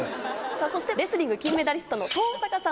そしてレスリング金メダリストの登坂さん。